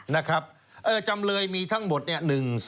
นะครับจำเลยมีทั้งหมดเนี่ย